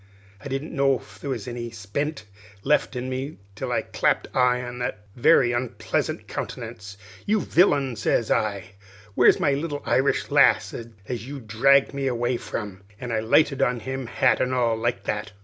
I didn't know if there was any spent left in me, till I clapped eye on his very onpleasant countenance. 'You villain!' sez I, 'where's my little Irish lass as you dragged me away from?' an' I lighted on him, hat and all, like that!"